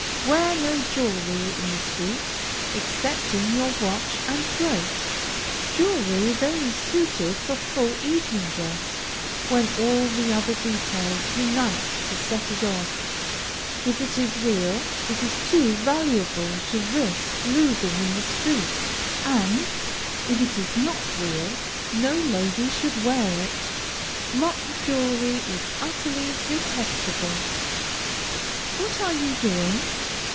Wear no jewelry in the street excepting your watch and brooch. Jewelry is only suited for full evening dress, when all the other details unite to set it off. If it is real, it is too valuable to risk losing in the street, and if it is not real, no lady should wear it. Mock jewelry is utterly detestable. What are you doing?